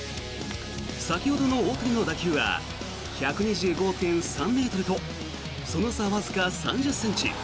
先ほどの大谷の打球は１２５．３ｍとその差、わずか３０ｃｍ。